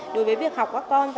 đối với việc học các con